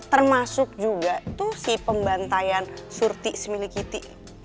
termasuk juga tuh si pembantaian surti semilik kita